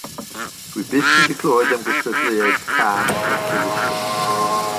Dw i byth wedi clywed am gystadleuaeth cân Intervision.